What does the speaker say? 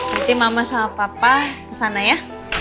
berarti mama sama papa kesana ya